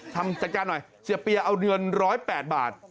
จัดการหน่อยเสียเปียเอาเดือน๑๐๘บาท